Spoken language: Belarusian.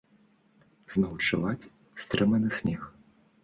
Зноў чуваць стрыманы смех.